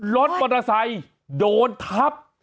รถมอเตอร์ไซค์โดนทับ